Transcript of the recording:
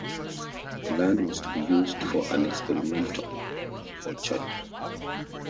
The land was to be used for an experimental orchard.